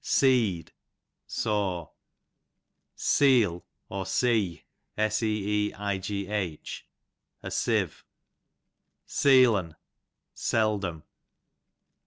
Seed, saw. Seel or Seeigh, a sieve. Seel'n, seldom.